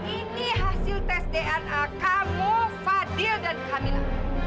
ini hasil tes dna kamu fadil dan hamil